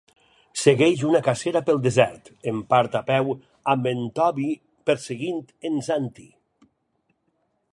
Segueix una cacera pel desert, en part a peu, amb en Tobi perseguint en Zanti.